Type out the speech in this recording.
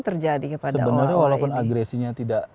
terjadi kepada owa owa ini sebenarnya walaupun agresinya